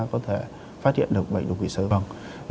có thể phát hiện được bệnh đột quỵ sớm